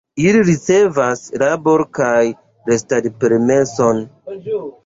Ili ricevas labor- kaj restad-permeson.